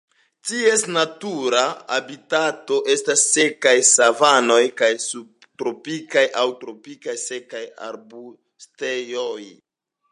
Ties natura habitato estas sekaj savanoj kaj subtropikaj aŭ tropikaj sekaj arbustejoj.